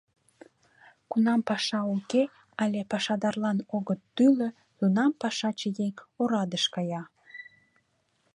Кунам паша уке але пашадарлан огыт тӱлӧ, тунам пашаче еҥ орадыш кая.